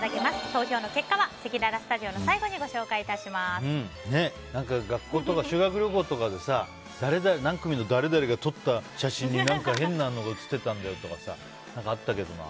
投票の結果はせきららスタジオの最後に学校とか修学旅行とかでさ何組の誰々が撮った写真に何か変なのが写ってたんだよとかあったけどな。